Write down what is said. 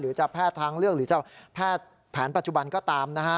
จะแพทย์ทางเลือกหรือจะแพทย์แผนปัจจุบันก็ตามนะฮะ